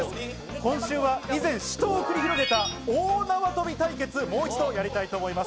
今週は以前、死闘を繰り広げた、大縄跳び対決をもう一度やりたいと思います。